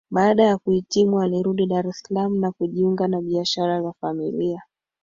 Baada ya kuhitimu alirudi Dar es Salaam na kujiunga na biashara za familia